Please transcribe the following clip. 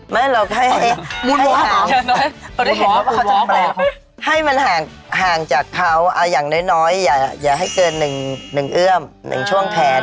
ไม่เราก็ให้มันห่างจากเขาเอาอย่างน้อยอย่าให้เกิน๑เอื้อม๑ช่วงแขน